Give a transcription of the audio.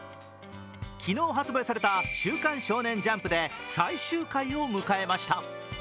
昨日発売された「週刊少年ジャンプ」で最終回を迎えました。